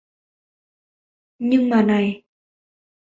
Nhưng mà này